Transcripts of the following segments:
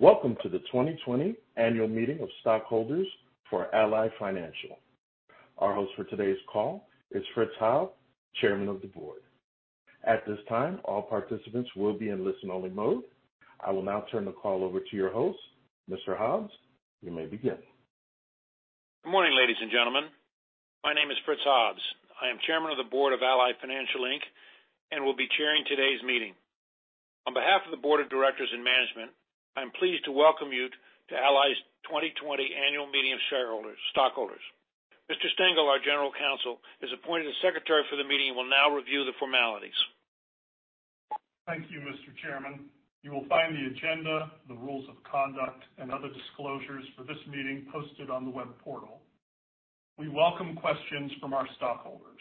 Welcome to the 2020 annual meeting of stockholders for Ally Financial. Our host for today's call is Fritz Hobbs, Chairman of the Board. At this time, all participants will be in listen-only mode. I will now turn the call over to your host. Mr. Hobbs, you may begin. Good morning, ladies and gentlemen. My name is Fritz Hobbs. I am Chairman of the Board of Ally Financial Inc and will be chairing today's meeting. On behalf of the board of directors and management, I'm pleased to welcome you to Ally's 2020 annual meeting of stockholders. Mr. Stengel, our General Counsel, is appointed as secretary for the meeting and will now review the formalities. Thank you, Mr. Chairman. You will find the agenda, the rules of conduct, and other disclosures for this meeting posted on the web portal. We welcome questions from our stockholders.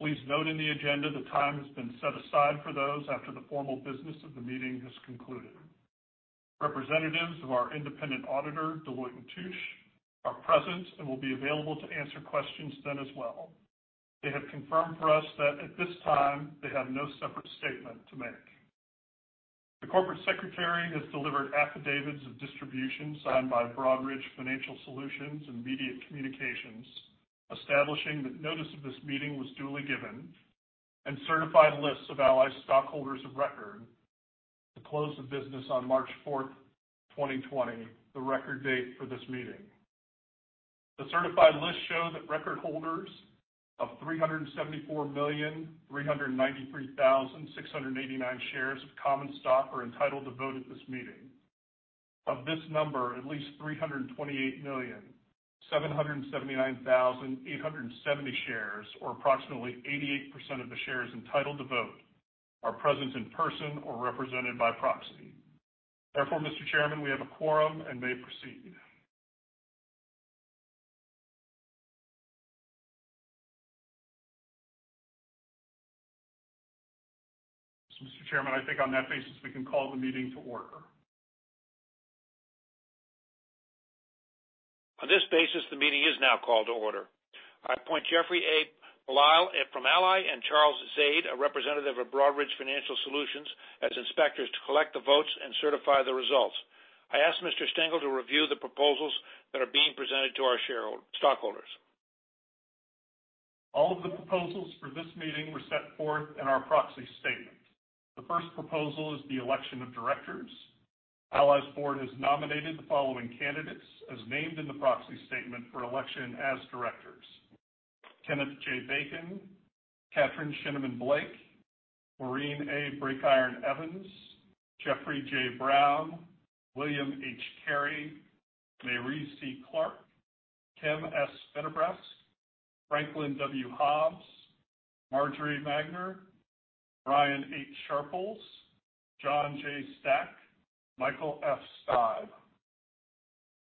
Please note in the agenda that time has been set aside for those after the formal business of the meeting has concluded. Representatives of our independent auditor, Deloitte & Touche, are present and will be available to answer questions then as well. They have confirmed for us that at this time, they have no separate statement to make. The Corporate Secretary has delivered affidavits of distribution signed by Broadridge Financial Solutions and Mediant Communications, establishing that notice of this meeting was duly given, and certified lists of Ally stockholders of record to close the business on March 4th, 2020, the record date for this meeting. The certified lists show that record holders of 374,393,689 shares of common stock are entitled to vote at this meeting. Of this number, at least 328,779,870 shares, or approximately 88% of the shares entitled to vote, are present in person or represented by proxy. Therefore, Mr. Chairman, we have a quorum and may proceed. Mr. Chairman, I think on that basis, we can call the meeting to order. On this basis, the meeting is now called to order. I appoint Jeffrey A. Belisle from Ally and Charles Zaid, a representative of Broadridge Financial Solutions, as inspectors to collect the votes and certify the results. I ask Mr. Stengel to review the proposals that are being presented to our stockholders. All of the proposals for this meeting were set forth in our proxy statement. The first proposal is the election of directors. Ally's Board has nominated the following candidates as named in the proxy statement for election as directors. Kenneth J. Bacon, Katryn Shineman Blake, Maureen A. Breakiron-Evans, Jeffrey J. Brown, William H. Cary, Mayree C. Clark, Kim S. Fennebresque, Franklin W. Hobbs, Marjorie Magner, Brian H. Sharples, John J. Stack, Michael F. Steib.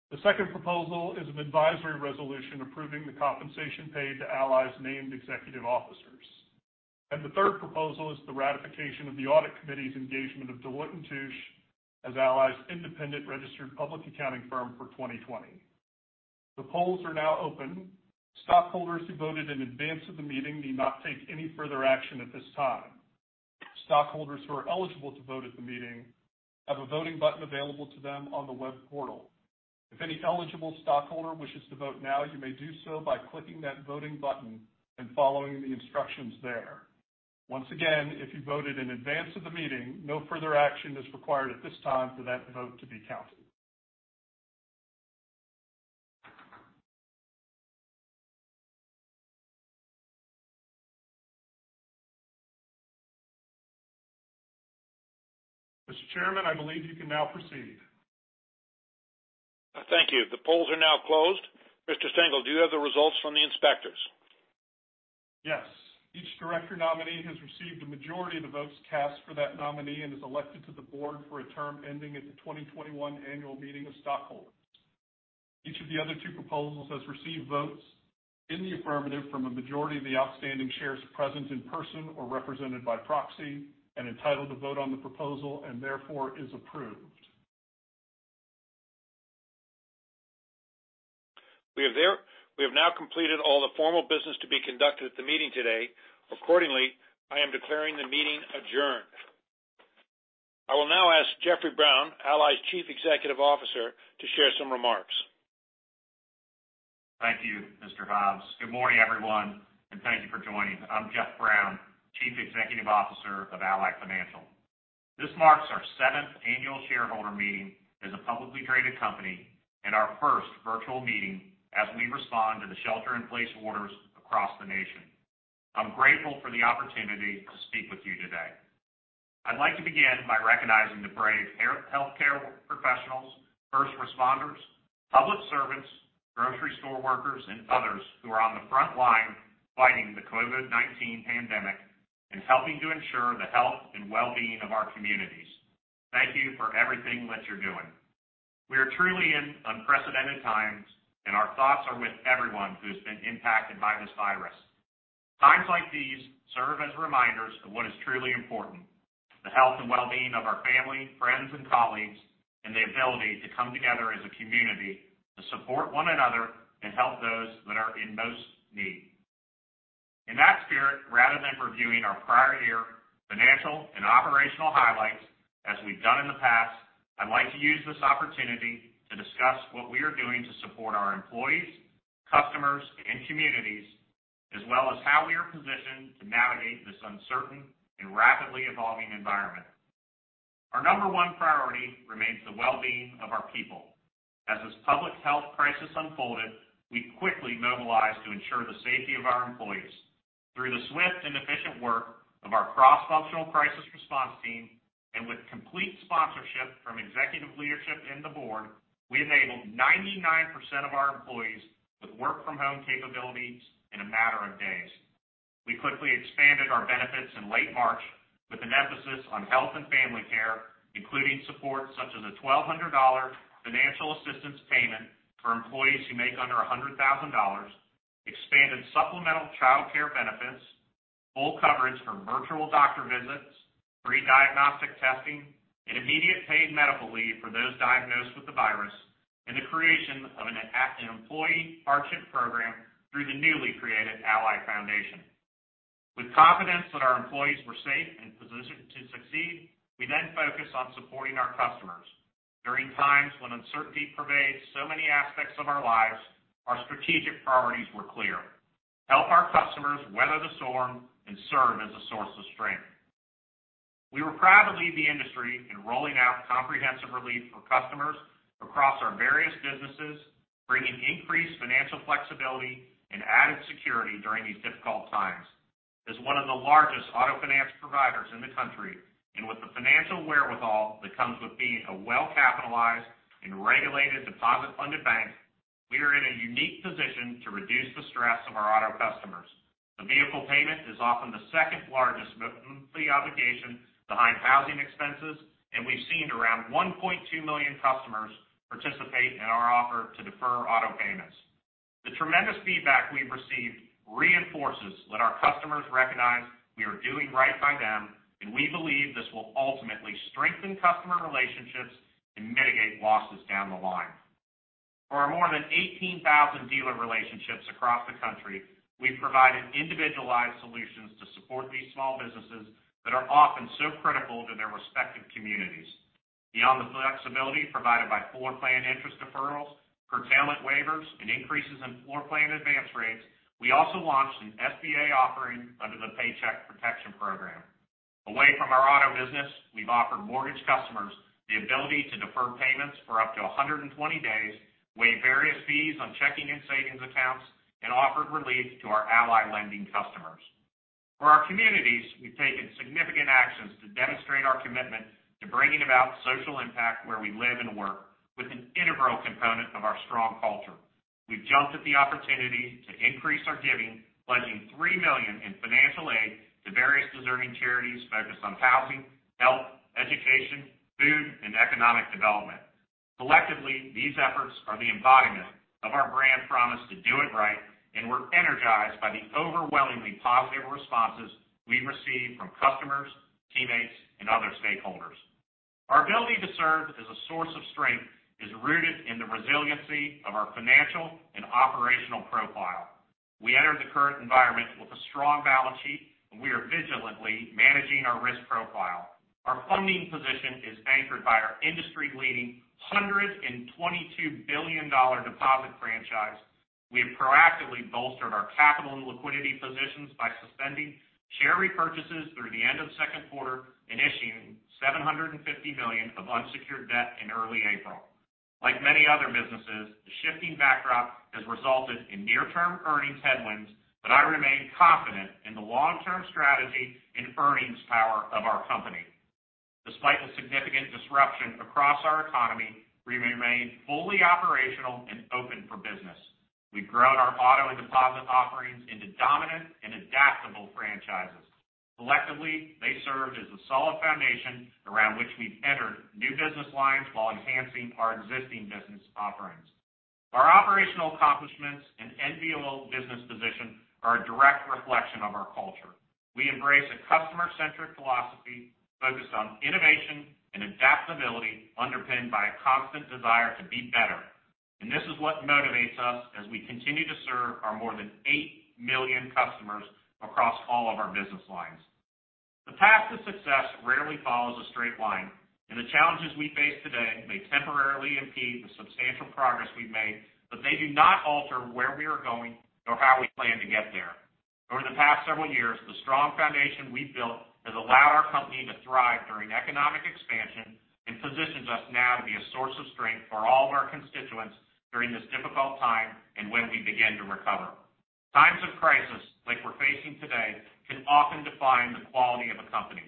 The second proposal is an advisory resolution approving the compensation paid to Ally's named executive officers. The third proposal is the ratification of the audit committee's engagement of Deloitte & Touche as Ally's independent registered public accounting firm for 2020. The polls are now open. Stockholders who voted in advance of the meeting need not take any further action at this time. Stockholders who are eligible to vote at the meeting have a voting button available to them on the web portal. If any eligible stockholder wishes to vote now, you may do so by clicking that voting button and following the instructions there. Once again, if you voted in advance of the meeting, no further action is required at this time for that vote to be counted. Mr. Chairman, I believe you can now proceed. Thank you. The polls are now closed. Mr. Stengel, do you have the results from the inspectors? Yes. Each director nominee has received a majority of the votes cast for that nominee and is elected to the board for a term ending at the 2021 annual meeting of stockholders. Each of the other two proposals has received votes in the affirmative from a majority of the outstanding shares present in person or represented by proxy and entitled to vote on the proposal and therefore is approved. We have now completed all the formal business to be conducted at the meeting today. Accordingly, I am declaring the meeting adjourned. I will now ask Jeffrey Brown, Ally's Chief Executive Officer, to share some remarks. Thank you, Mr. Hobbs. Good morning, everyone, and thank you for joining. I'm Jeff Brown, Chief Executive Officer of Ally Financial. This marks our seventh annual shareholder meeting as a publicly traded company and our first virtual meeting as we respond to the shelter in place orders across the nation. I'm grateful for the opportunity to speak with you today. I'd like to begin by recognizing the brave healthcare professionals, first responders, public servants, grocery store workers, and others who are on the front line fighting the COVID-19 pandemic and helping to ensure the health and well-being of our communities. Thank you for everything that you're doing. We are truly in unprecedented times, and our thoughts are with everyone who's been impacted by this virus. Times like these serve as reminders of what is truly important, the health and well-being of our family, friends, and colleagues, and the ability to come together as a community to support one another and help those that are in most need. Reviewing our prior year financial and operational highlights as we've done in the past, I'd like to use this opportunity to discuss what we are doing to support our employees, customers, and communities, as well as how we are positioned to navigate this uncertain and rapidly evolving environment. Our number one priority remains the well-being of our people. As this public health crisis unfolded, we quickly mobilized to ensure the safety of our employees. Through the swift and efficient work of our cross-functional crisis response team, and with complete sponsorship from executive leadership and the board, we enabled 99% of our employees with work-from-home capabilities in a matter of days. We quickly expanded our benefits in late March with an emphasis on health and family care, including support such as a $1,200 financial assistance payment for employees who make under $100,000, expanded supplemental childcare benefits, full coverage for virtual doctor visits, free diagnostic testing, and immediate paid medical leave for those diagnosed with the virus, and the creation of an employee hardship program through the newly created Ally Foundation. With confidence that our employees were safe and positioned to succeed, we then focused on supporting our customers. During times when uncertainty pervades so many aspects of our lives, our strategic priorities were clear: Help our customers weather the storm and serve as a source of strength. We were proud to lead the industry in rolling out comprehensive relief for customers across our various businesses, bringing increased financial flexibility and added security during these difficult times. As one of the largest auto finance providers in the country, and with the financial wherewithal that comes with being a well-capitalized and regulated deposit-funded bank, we are in a unique position to reduce the stress of our auto customers. The vehicle payment is often the second-largest monthly obligation behind housing expenses, and we've seen around 1.2 million customers participate in our offer to defer auto payments. The tremendous feedback we've received reinforces that our customers recognize we are doing right by them, and we believe this will ultimately strengthen customer relationships and mitigate losses down the line. For our more than 18,000 dealer relationships across the country, we've provided individualized solutions to support these small businesses that are often so critical to their respective communities. Beyond the flexibility provided by floorplan interest deferrals, curtailment waivers, and increases in floorplan advance rates, we also launched an SBA offering under the Paycheck Protection Program. Away from our auto business, we've offered mortgage customers the ability to defer payments for up to 120 days, waive various fees on checking and savings accounts, and offered relief to our Ally Lending customers. For our communities, we've taken significant actions to demonstrate our commitment to bringing about social impact where we live and work with an integral component of our strong culture. We've jumped at the opportunity to increase our giving, pledging $3 million in financial aid to various deserving charities focused on housing, health, education, food, and economic development. Collectively, these efforts are the embodiment of our brand promise to do it right, and we're energized by the overwhelmingly positive responses we've received from customers, teammates, and other stakeholders. Our ability to serve as a source of strength is rooted in the resiliency of our financial and operational profile. We entered the current environment with a strong balance sheet, and we are vigilantly managing our risk profile. Our funding position is anchored by our industry-leading $122 billion deposit franchise. We have proactively bolstered our capital and liquidity positions by suspending share repurchases through the end of the second quarter and issuing $750 million of unsecured debt in early April. Like many other businesses, the shifting backdrop has resulted in near-term earnings headwinds, but I remain confident in the long-term strategy and earnings power of our company. Despite the significant disruption across our economy, we remain fully operational and open for business. We've grown our auto and deposit offerings into dominant and adaptable franchises. Collectively, they serve as the solid foundation around which we've entered new business lines while enhancing our existing business offerings. Our operational accomplishments and enviable business position are a direct reflection of our culture. We embrace a customer-centric philosophy focused on innovation and adaptability underpinned by a constant desire to be better, and this is what motivates us as we continue to serve our more than 8 million customers across all of our business lines. The path to success rarely follows a straight line, and the challenges we face today may temporarily impede the substantial progress we've made, but they do not alter where we are going or how we plan to get there. Over the past several years, the strong foundation we've built has allowed our company to thrive during economic expansion and positions us now to be a source of strength for all of our constituents during this difficult time and when we begin to recover. Times of crisis like we're facing today can often define the quality of a company.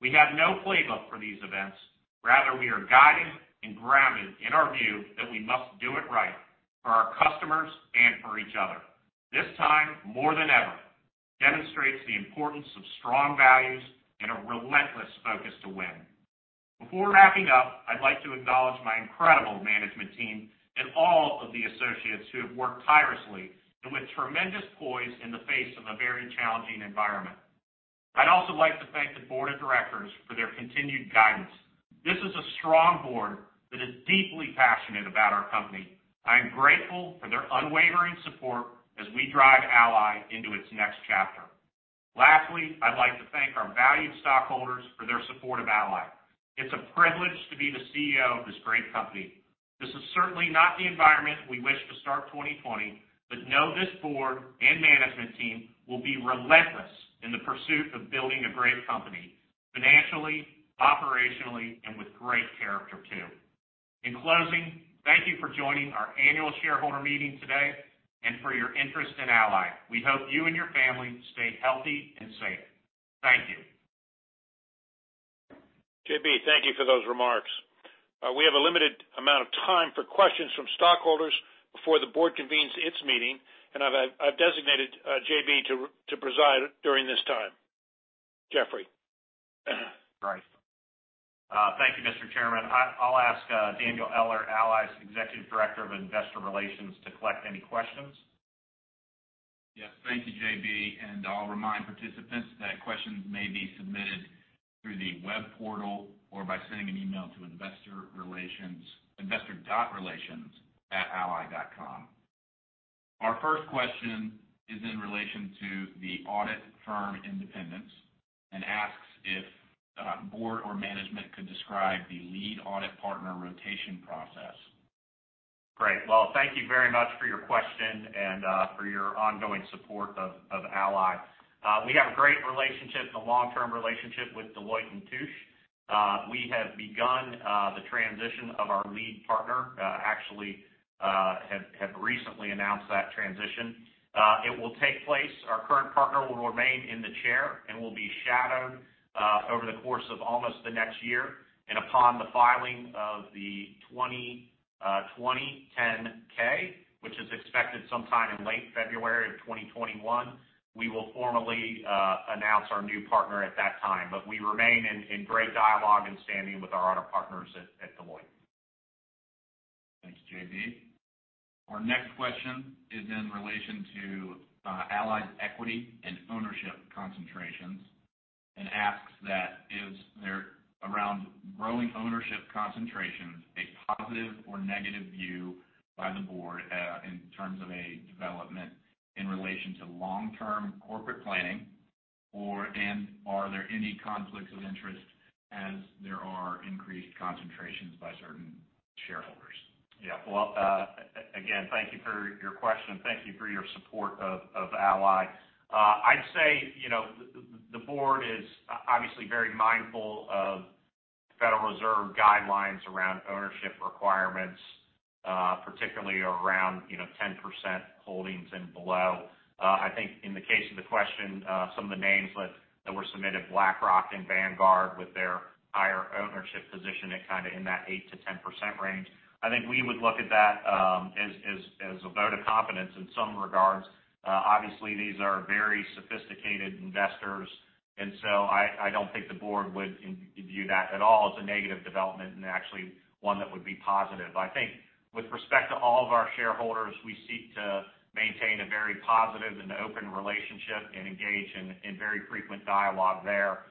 We have no playbook for these events. Rather, we are guided and grounded in our view that we must do it right for our customers and for each other. This time, more than ever, demonstrates the importance of strong values and a relentless focus to win. Before wrapping up, I'd like to acknowledge my incredible management team and all of the associates who have worked tirelessly and with tremendous poise in the face of a very challenging environment. I'd also like to thank the board of directors for their continued guidance. This is a strong board that is deeply passionate about our company. I am grateful for their unwavering support as we drive Ally into its next chapter. Lastly, I'd like to thank our valued stockholders for their support of Ally. It's a privilege to be the CEO of this great company. This is certainly not the environment we wish to start 2020, but know this board and management team will be relentless in the pursuit of building a great company, financially, operationally, and with great character too. In closing, thank you for joining our annual shareholder meeting today and for your interest in Ally. We hope you and your family stay healthy and safe. Thank you. J.B., thank you for those remarks. We have a limited amount of time for questions from stockholders before the board convenes its meeting, and I've designated J.B. to preside during this time. Jeffrey? Right. Thank you, Mr. Chairman. I'll ask Daniel Eller, Ally's Executive Director of Investor Relations, to collect any questions. Yes. Thank you, J.B. I'll remind participants that questions may be submitted through the web portal or by sending an email to investor.relations@ally.com. Our first question is in relation to the audit firm independence and asks if board or management could describe the lead audit partner rotation process. Great. Well, thank you very much for your question and for your ongoing support of Ally. We have a great relationship, a long-term relationship with Deloitte & Touche. We have begun the transition of our lead partner, actually have recently announced that transition. It will take place. Our current partner will remain in the chair and will be shadowed over the course of almost the next year. Upon the filing of the 2020 10-K, which is expected sometime in late February of 2021, we will formally announce our new partner at that time. We remain in great dialogue and standing with our audit partners at Deloitte. Thanks, J.B. Our next question is in relation to Ally's equity and ownership concentrations and asks that is there, around growing ownership concentrations, a positive or negative view by the board, in terms of a development in relation to long-term corporate planning? Are there any conflicts of interest as there are increased concentrations by certain shareholders? Well, again, thank you for your question. Thank you for your support of Ally. I'd say the board is obviously very mindful of Federal Reserve guidelines around ownership requirements, particularly around 10% holdings and below. I think in the case of the question, some of the names that were submitted, BlackRock, Inc and The Vanguard Group with their higher ownership position at kind of in that 8%-10% range, I think we would look at that as a vote of confidence in some regards. Obviously, these are very sophisticated investors, and so I don't think the board would view that at all as a negative development and actually one that would be positive. I think with respect to all of our shareholders, we seek to maintain a very positive and open relationship and engage in very frequent dialogue there.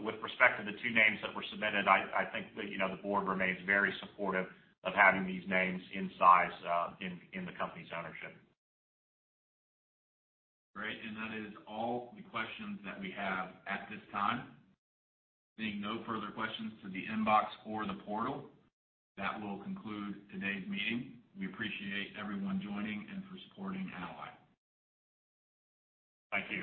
With respect to the two names that were submitted, I think the board remains very supportive of having these names in size in the company's ownership. Great. That is all the questions that we have at this time. Seeing no further questions to the inbox or the portal, that will conclude today's meeting. We appreciate everyone joining and for supporting Ally. Thank you.